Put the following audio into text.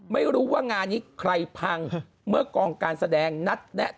ไม่รู้ว่างานนี้ใครพังเมื่อกองการแสดงนัดแนะ